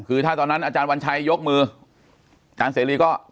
คือถ้าตอนนั้นอาจารย์วัญชัยยกมืออาจารย์เสรีก็